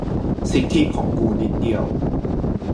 สิทธิของกูนิดเดียว